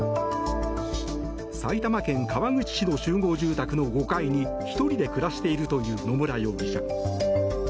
埼玉県川口市の集合住宅の５階に１人で暮らしているという野村容疑者。